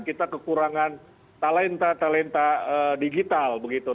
kita kekurangan talenta talenta digital begitu